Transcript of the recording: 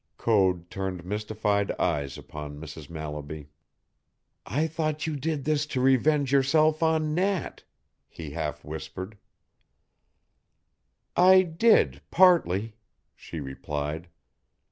Code turned mystified eyes upon Mrs. Mallaby. "I thought you did this to revenge yourself on Nat," he half whispered. "I did, partly," she replied.